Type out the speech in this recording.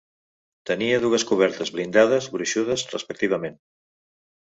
Tenia dues cobertes blindades gruixudes, respectivament.